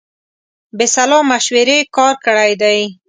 بې سلا مشورې کار کړی دی.